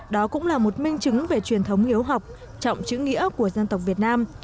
đó cũng là một minh chứng về truyền thống hiếu học trọng chữ nghĩa của dân tộc việt nam